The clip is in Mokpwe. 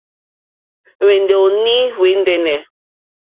Hwɛ̀nɔ̀ní hwɛ̀ ndɛ́nɛ̀.